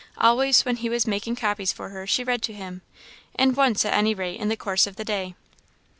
Always when he was making copies for her she read to him, and once at any rate in the course of the day.